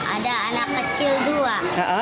ada anak kecil dua